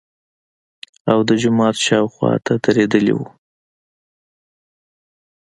او د جومات شاوخواته درېدلي وو.